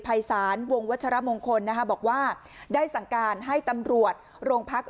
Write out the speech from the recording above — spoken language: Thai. ภัยศาลวงวัชรมงคลนะคะบอกว่าได้สั่งการให้ตำรวจโรงพัก